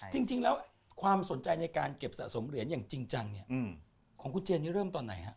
จริงแล้วความสนใจในการเก็บสะสมเหรียญอย่างจริงจังเนี่ยของคุณเจนนี่เริ่มตอนไหนฮะ